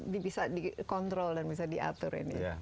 bisa dikontrol dan bisa diatur